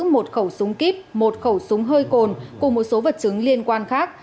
một khẩu súng kíp một khẩu súng hơi cồn cùng một số vật chứng liên quan khác